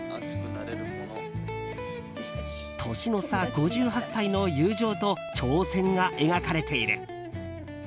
年の差５８歳の友情と挑戦が描かれている。